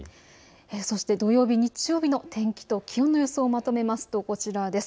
そして土曜日、日曜日の天気と気温予想をまとめますとこちらです。